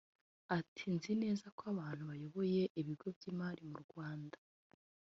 Ati ‘Nzi neza ko abantu bayoboye ibigo by’imari mu Rwanda( banki)